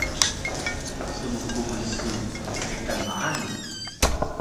Smkuxul su mekan maanu?